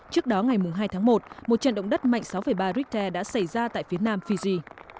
trước đó ngày hai tháng một một trận động đất mạnh sáu ba richter đã xảy ra tại phía nam fiji